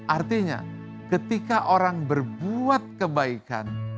artinya ketika orang berbuat kebaikan